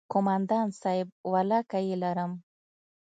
کومندان صايب ولله که يې لرم.